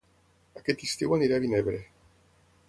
Aquest estiu aniré a Vinebre